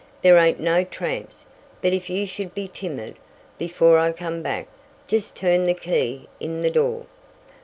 There ain't no tramps, but if you should be timid, before I come back, just turn the key in the door."